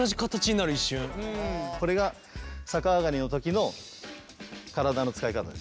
これが逆上がりの時の体の使い方です。